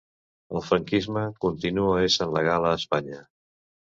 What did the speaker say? El franquisme continua essent legal a Espanya.